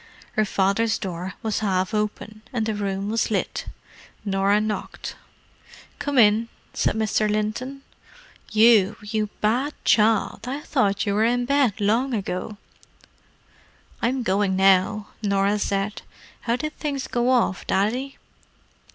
Her father's door was half open, and the room was lit. Norah knocked. "Come in," said Mr. Linton. "You, you bad child! I thought you were in bed long ago." "I'm going now," Norah said. "How did things go off, Daddy?"